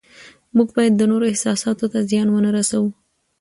موږ باید د نورو احساساتو ته زیان ونه رسوو